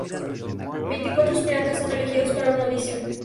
Veinticuatro aspirantes son elegidos para una audición.